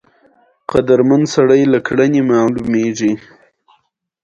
د خشخاش دانه د خوب لپاره وکاروئ